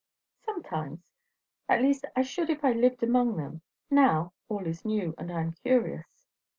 "Sometimes. At least I should if I lived among them. Now, all is new, and I am curious."